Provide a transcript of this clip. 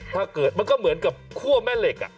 ถ้าเกิดมันก็เหมือนกับคั่วแม่เหล็ก